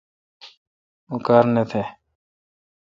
اوں کار نہ تھ۔